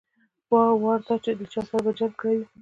وار دا چې له چا سره به يې جنګ کړى وي.